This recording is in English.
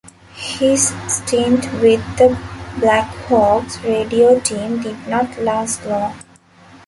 His stint with the Blackhawks radio team did not last long.